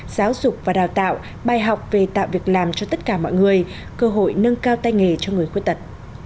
giáo dục và đào tạo bài học về tạo việc làm cho tất cả mọi người cơ hội nâng cao tay nghề cho người khuyết tật